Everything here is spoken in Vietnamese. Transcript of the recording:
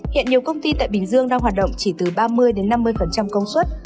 hiện nhiều công ty tại bình dương đang hoạt động chỉ từ ba mươi năm mươi công suất